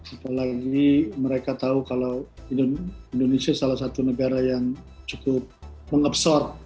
apalagi mereka tahu kalau indonesia salah satu negara yang cukup mengebsorb